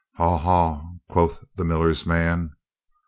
"Haw, haw," quoth the miller's man.